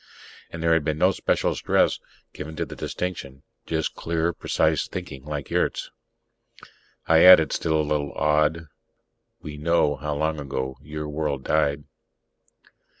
And there had been no special stress given the distinction, just clear, precise thinking, like Yurt's. I added, still a little awed: "We know how long ago your world died."